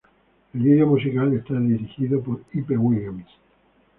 El video musical está dirigido por Hype Williams.